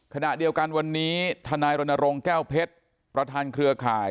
ขณะเดียวกันวันนี้ทนายรณรงค์แก้วเพชรประธานเครือข่าย